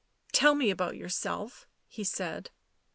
" Tell me about yourself/' he said.